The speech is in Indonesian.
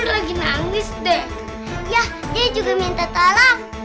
kayaknya nggak nih ya ya dia juga minta tolak